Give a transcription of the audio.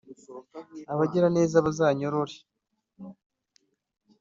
abagiraneza bazanyorore